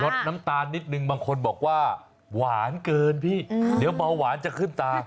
สน้ำตาลนิดนึงบางคนบอกว่าหวานเกินพี่เดี๋ยวเบาหวานจะขึ้นตา